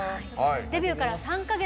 デビューから３か月。